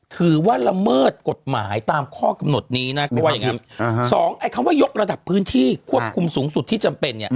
ถือว่าระเมิดกฎหมายตามข้อกำหนดนี้นะสองคำว่ายกระดับพื้นที่ควบคุมสูงสุดที่จำเป็น